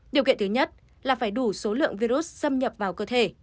điều kiện thứ nhất là phải đủ số lượng virus xâm nhập vào cơ thể